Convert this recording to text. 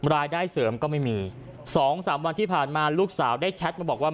รายได้เสริมก็ไม่มี๒๓วันที่ผ่านมาลูกสาวได้แชทมาบอกว่า